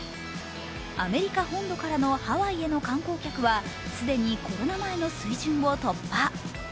アメリカ本土からのハワイへの観光客は既にコロナ前の水準を突破。